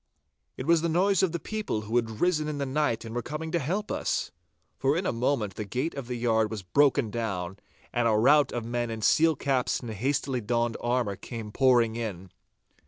It was the noise of the people who had risen in the night and were coming to help us. For in a moment the gate of the yard was broken down, and a rout of men in steel caps and hastily donned armour came pouring in.